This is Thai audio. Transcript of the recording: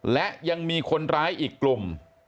และยังมีคนร้ายอีกกลุ่ม